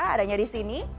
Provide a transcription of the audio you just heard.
adanya di sini